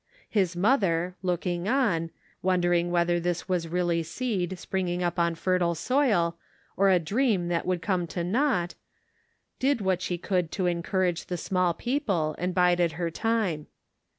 His mother, looking on, wondering whether this was really seed, spring ing up on fertile soil, or a dream that would come to naught, did what she could to encour age the small people, and bided her time.